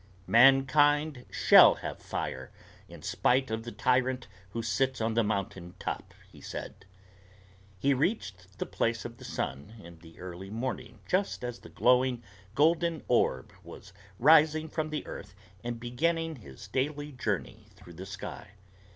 "Mankind shall have fire in spite of the tyrant who sits on the mountain top," he said. He reached the place of the sun in the early morning just as the glowing, golden orb was rising from the earth and beginning his daily journey through the sky.